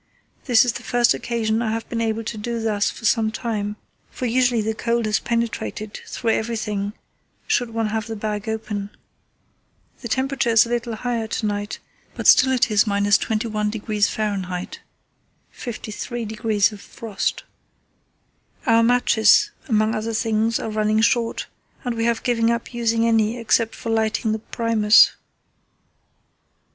This is the first occasion I have been able to do thus for some time, for usually the cold has penetrated through everything should one have the bag open. The temperature is a little higher to night, but still it is –21° Fahr. (53° of frost). Our matches, among other things, are running short, and we have given up using any except for lighting the Primus."